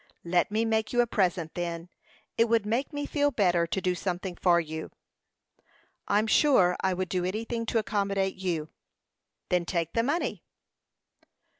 "Let me make you a present, then. It would make me feel better to do something for you." "I'm sure I would do anything to accommodate you." "Then take the money."